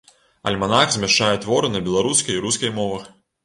Альманах змяшчае творы на беларускай і рускай мовах.